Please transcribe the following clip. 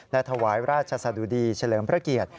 และถวายราชสะดุดีเฉลิมพระเกียรติ